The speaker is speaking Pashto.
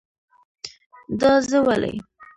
دا زه ولی؟